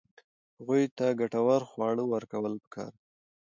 هغوی ته ګټور خواړه ورکول پکار دي.